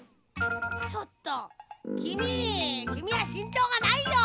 「ちょっときみきみはしんちょうがないよ！